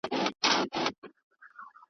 لاس یې پوري په علاج کړ د مېرمني .